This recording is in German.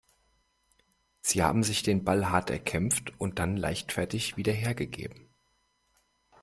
Sie haben sich den Ball hart erkämpft und dann leichtfertig wieder hergegeben.